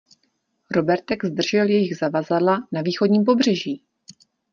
Robertek zdržel jejich zavazadla na východním pobřeží!